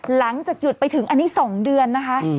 หลังจากหยุดไปถึงอันนี้๒เดือนนะคะ